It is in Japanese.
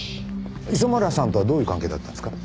磯村さんとはどういう関係だったんですか？